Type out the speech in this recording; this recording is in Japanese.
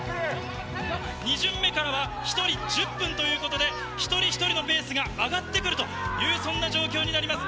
２巡目からは１人１０分ということで、一人一人のペースが上がってくるという、そんな状況になります。